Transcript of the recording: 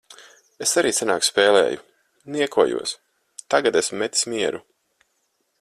Es arī senāk spēlēju. Niekojos. Tagad esmu metis mieru.